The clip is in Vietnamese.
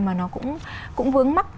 mà nó cũng vướng mắt